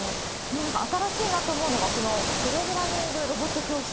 なんか新しいなと思うのが、このプログラミング、ロボット教室。